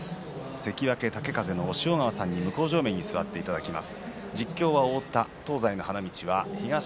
関脇豪風の押尾川さんに向正面に座っていただいています。